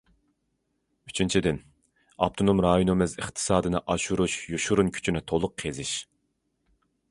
ئۈچىنچىدىن، ئاپتونوم رايونىمىز ئىقتىسادىنى ئاشۇرۇش يوشۇرۇن كۈچىنى تولۇق قېزىش.